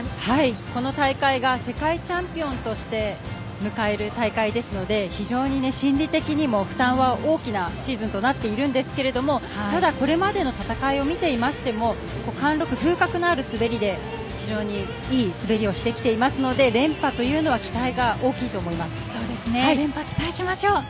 この大会が世界チャンピオンとして迎える大会ですので非常に心理的にも負担は大きなシーズンとなっているんですがただ、これまでの戦いを見ていましても貫禄、風格のある滑りで非常にいい滑りをしてきていますので連覇というのは連覇、期待しましょう！